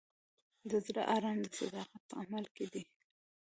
د زړه ارام د صداقت په عمل کې دی.